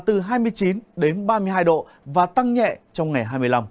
từ hai mươi chín đến ba mươi hai độ và tăng nhẹ trong ngày hai mươi năm